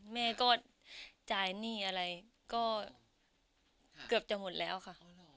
แม่ก็จ่ายหนี้อะไรก็เกือบจะหมดแล้วค่ะ